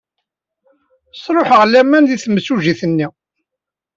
Sṛuḥeɣ laman deg temsujjit-nni.